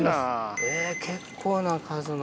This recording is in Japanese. えぇ結構な数の。